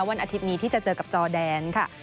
วันอาทิตย์นี้ที่จะเจอกับจอแดนค่ะ